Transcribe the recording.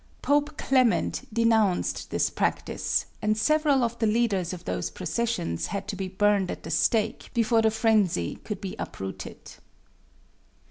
Pope Clement denounced this practise and several of the leaders of these processions had to be burned at the stake before the frenzy could be uprooted.